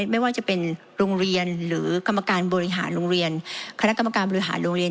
ไม่ว่าจะเป็นโรงเรียนหรือกรรมการบริหารโรงเรียนคณะกรรมการบริหารโรงเรียน